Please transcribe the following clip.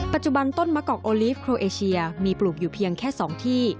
ปัจจุบันต้นมะกอกโอลีฟโครเอเชียมีปลูกอยู่เพียงแค่๒ที่